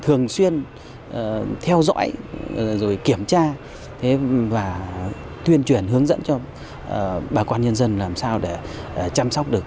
thường xuyên theo dõi rồi kiểm tra và tuyên truyền hướng dẫn cho bà con nhân dân làm sao để chăm sóc được